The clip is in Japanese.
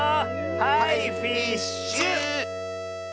はいフィッシュ！